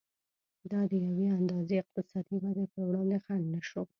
دا د یوې اندازې اقتصادي ودې پر وړاندې خنډ نه شو.